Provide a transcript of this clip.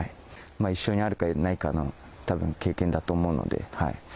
一生にあるかないかのたぶん、経験だと思うので。